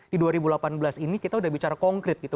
di dua ribu delapan belas ini kita udah bicara konkret gitu